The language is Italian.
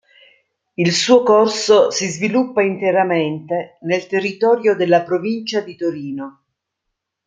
Il suo corso si sviluppa interamente nel territorio della Provincia di Torino.